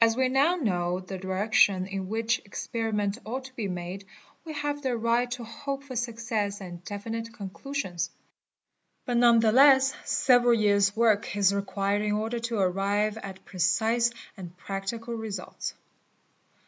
As we now know — the direction in which experiment ought to be made we have the right — to hope for success and definite conclusions, but none the less several years' work is required in order to arrive at precise and practical results.